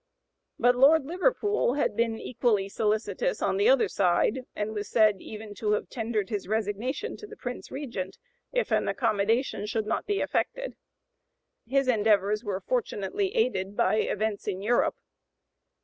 But Lord Liverpool had been equally solicitous on the other side, and was said even to have tendered his resignation to the Prince Regent, if an accommodation should not be effected. His endeavors were fortunately aided by events in Europe.